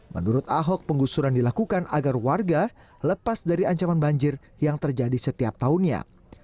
menurut ahok penggusuran dilakukan agar warga lepas dari ancaman banjir yang terjadi setiap tahunnya